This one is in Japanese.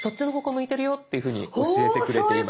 向いてるよっていうふうに教えてくれています。